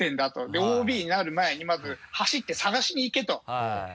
でＯＢになる前にまず走って探しに行けと。